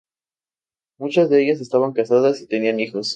Muchas de ellas estaban casadas y tenían hijos.